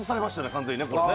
完全にこれね。